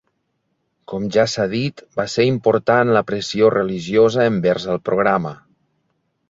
Com ja s’ha dit, va ser important la pressió religiosa envers el programa.